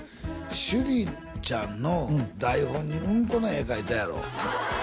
趣里ちゃんの台本にうんこの絵描いたやろ？